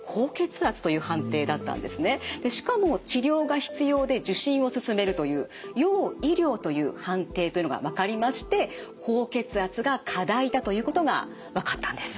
しかも治療が必要で受診を勧めるという要医療という判定というのが分かりまして高血圧が課題だということが分かったんです。